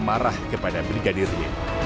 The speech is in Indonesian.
fs marah kepada brigadir y